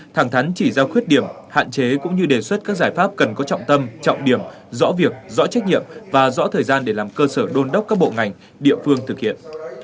thẳng thắn chỉ ra khuyết điểm hạn chế cũng như đề xuất các giải pháp cần có trọng tâm trọng điểm rõ việc rõ trách nhiệm và rõ thời gian để làm cơ sở đôn đốc các bộ ngành địa phương thực hiện